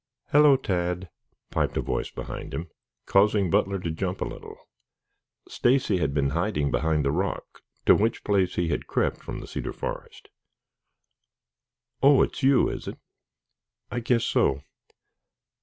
"Hello, Tad," piped a voice behind him, causing Butler to jump a little. Stacy had been hiding behind the rock, to which place he had crept from the cedar forest. "Oh, it's you, is it?" "I guess so.